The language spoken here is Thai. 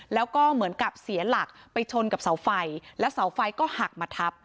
แล้วก็เหมือนกับเสียหลักไปชนกับเสาไฟแล้วเสาไฟก็หักมาทับ